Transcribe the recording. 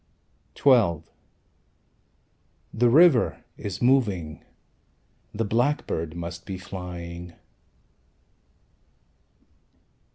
XII The river is moving. The blackbird must be flying.